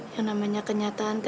yang namanya kenyataan